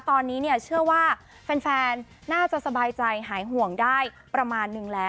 ตอนนี้เนี่ยเชื่อว่าแฟนน่าจะสบายใจหายห่วงได้ประมาณนึงแล้ว